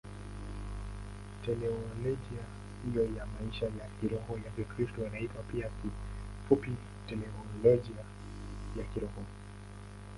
Teolojia hiyo ya maisha ya kiroho ya Kikristo inaitwa pia kifupi Teolojia ya Kiroho.